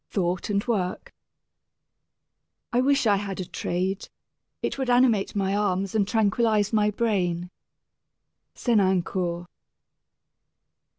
III THOUGHT AND WORK I wish I had a trade! It would animate my arms and tranquilize my brain. SENANCOUR.